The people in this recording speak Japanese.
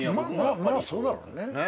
まあそうだろうね。